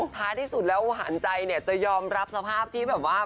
ท้ายที่สุดแล้วหวานใจเนี่ยจะยอมรับสภาพที่แบบว่า